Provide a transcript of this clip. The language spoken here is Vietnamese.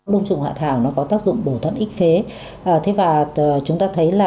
đồng trùng hạ thảo có tác dụng bổ thận ích phế